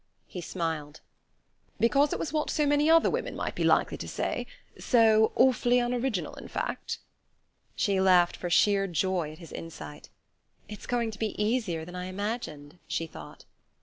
He smiled. "Because it was what so many other women might be likely to say so awfully unoriginal, in fact?" She laughed for sheer joy at his insight. "It's going to be easier than I imagined," she thought.